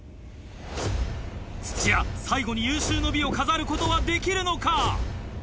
土屋最後に有終の美を飾ることはできるのか？